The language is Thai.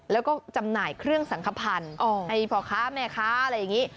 แล้วก็จำหน่ายเครื่องสังขพันธ์ให้พ่อค้าแม่ค้าอะไรอย่างนี้